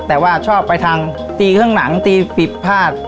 แต่ว่าชอบไปทางตีเครื่องหนังตีผิดผาด